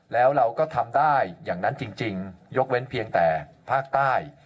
แล้วเราก็ทำได้อย่างนั้นจริงยกเว้นเพียงแต่ภาคใต้